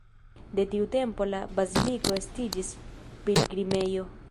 De tiu tempo la baziliko estiĝis pilgrimejo.